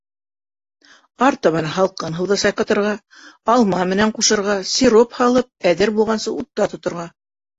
Артабан һалҡын һыуҙа сайҡатырға, алма менән ҡушырға, сироп һалып, әҙер булғансы утта тоторға.